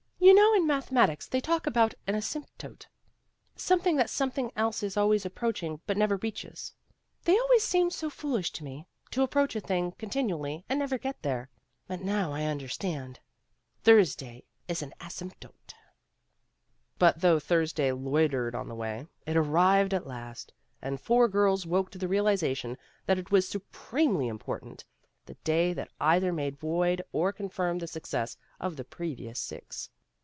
"You know in mathe matics they talk about an asymptote, some thing that something else is always approach ing, but never reaches. That always seemed so foolish to me, to approach a thing con THE LONGEST WEEK ON RECORD 123 tinually and never get there. But now I under stand. Thursday is an asymptote." But though Thursday loitered on the way, it arrived at last, and four girls woke to the realization that it was supremely important the day that either made void or confirmed the success of the previous six.